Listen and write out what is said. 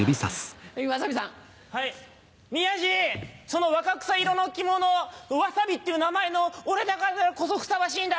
その若草色の着物わさびっていう名前の俺だからこそふさわしいんだ。